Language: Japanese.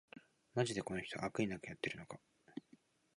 マジでこの人、悪意なくやってるのか